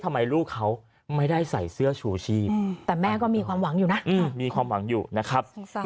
ทำไมลูกเขาไม่ได้ใส่เสื้อชูชีพแต่แม่ก็มีความหวังอยู่นะมีความหวังอยู่นะครับ